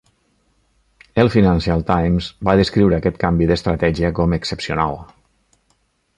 El "Financial Times" va descriure aquest canvi d'estratègia com "excepcional".